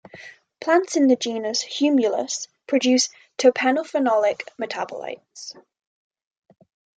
Plants in the genus "Humulus" produce terpenophenolic metabolites.